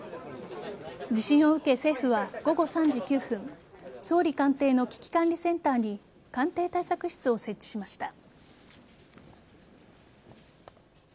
地震を受け、政府は午後３時９分総理官邸の危機管理センターに官邸対策室を設置しました。